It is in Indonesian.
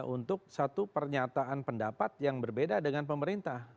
untuk satu pernyataan pendapat yang berbeda dengan pemerintah